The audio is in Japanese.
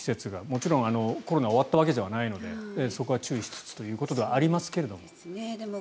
もちろんコロナが終わったわけではないのでそこは注意しつつということではありますけれども。